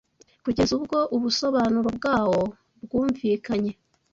kugeza ubwo ubusobanuro bwawo bwumvikanye,